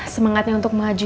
semangatnya untuk maju